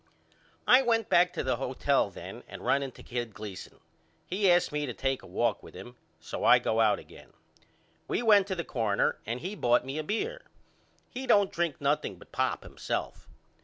I went back to the hotel then and run into Kid Gleason. He asked me to take a walk with him so out I go again. We went to the corner and he bought me a beer. He don't drink nothing but pop himself.